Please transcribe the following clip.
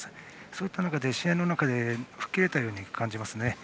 そういった中で、試合の中で吹っ切れたように感じます。